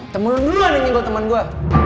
temen lu aja yang nyenggol temen gue